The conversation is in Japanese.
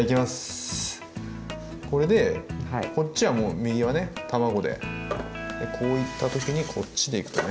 これでこっちはもう右はね卵でこういった時にこっちでいくとね。